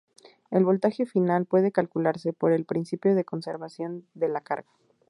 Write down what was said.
El voltaje final puede calcularse por el principio de conservación de la carga.